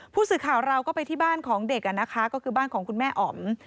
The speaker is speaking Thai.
ผู้สื่อข่าวเราก็ไปที่บ้านของเด็กนะคะก็คือบ้านของคุณแม่อ๋อม